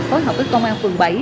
phối hợp với công an phường bảy